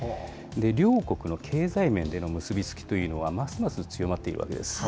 両国の経済面での結び付きというのは、ますます強まっているわけです。